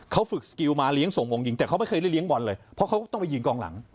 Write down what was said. เขาฝึกสกิลมาเลี้ยงส่งวงยิงแต่เขาไม่เคยได้เลี้ยบอลเลยเพราะเขาก็ต้องไปยิงกองหลัง